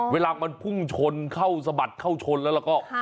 เวลามันพุ่งชนเข้าสะบัดเข้าชนแล้วแล้วก็